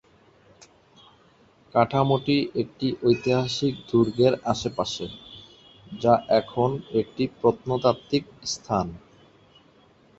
কাঠামোটি একটি ঐতিহাসিক দুর্গের আশেপাশে, যা এখন একটি প্রত্নতাত্ত্বিক স্থান।